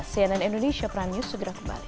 cnn indonesia prime news segera kembali